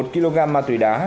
một kg ma túy đá